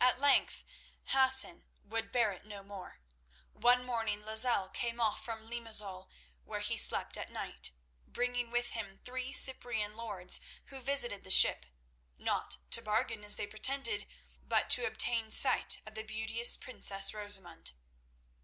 At length Hassan would bear it no more. One morning Lozelle came off from Limazol, where he slept at night, bringing with him three Cyprian lords, who visited the ship—not to bargain as they pretended, but to obtain sight of the beauteous princess Rosamund.